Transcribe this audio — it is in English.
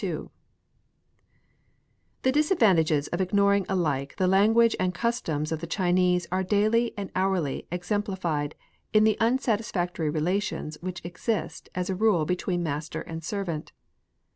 IL The disadvantages of ignoring alike the language and customs of the Chinese are daily and hourly exempli fied in the unsatisfactory relations which exist as a rule between master and servant.